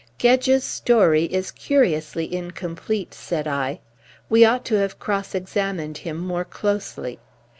"Gedge's story is curiously incomplete," said I. "We ought to have crossexamined him more closely.